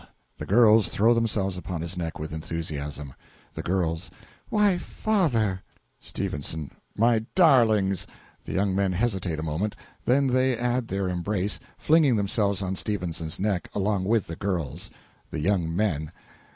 (The girls throw themselves upon his neck with enthusiasm.) THE GIRLS. Why, father! S. My darlings! (The young men hesitate a moment, then they add their embrace, flinging themselves on Stephenson's neck, along with the girls.) THE YOUNG MEN.